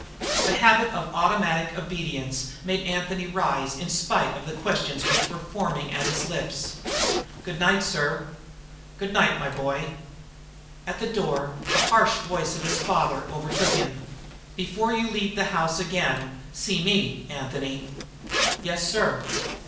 The habit of automatic obedience made Anthony rise in spite of the questions which were storming at his lips. "Good night, sir." "Good night, my boy." At the door the harsh voice of his father overtook him. "Before you leave the house again, see me, Anthony." "Yes, sir."